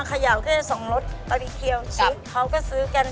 ก็จะส่งรถตะดิเทียวชิ้นเขาก็ซื้อกัน